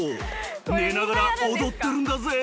寝ながら踊ってるんだぜ。